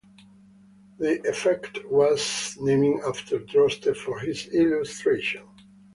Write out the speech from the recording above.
The effect was named after Droste for this illustration.